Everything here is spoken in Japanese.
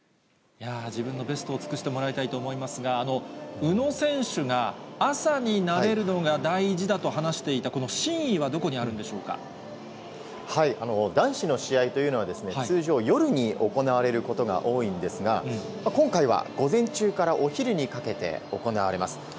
自分のベストを尽くしてもらいたいと思いますが、宇野選手が朝に慣れるのが大事だと話していた、この真意はどこに男子の試合というのは、通常、夜に行われることが多いんですが、今回は午前中からお昼にかけて行われます。